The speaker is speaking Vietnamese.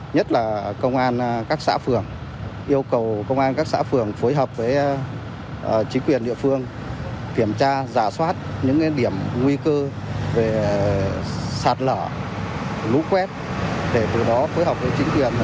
nhất là công an các xã phường yêu cầu công an các xã phường phối hợp với chính quyền địa phương kiểm tra giả soát những điểm nguy cơ về sạt lở lũ quét để từ đó phối hợp với chính quyền